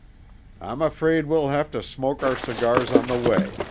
"I'm afraid we'll have to smoke our cigars on the way.